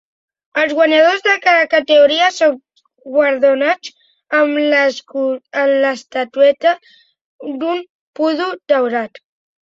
Els guanyadors de cada categoria són guardonats amb l'estatueta d'un pudu daurat.